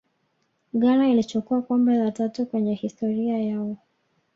ghana ilichukua kombe la tatu kwenye historia yao